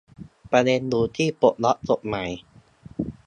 ประเด็นอยู่ที่ปลดล็อกกฎหมาย